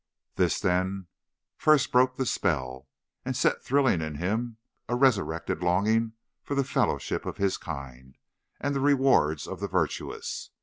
This, then, first broke the spell, and set thrilling in him a resurrected longing for the fellowship of his kind, and the rewards of the virtuous.